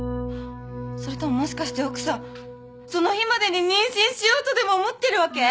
それとももしかして奥さんその日までに妊娠しようとでも思ってるわけ？